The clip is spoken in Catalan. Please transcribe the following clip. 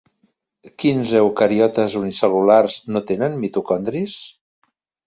Quins eucariotes unicel·lulars no tenen mitocondris?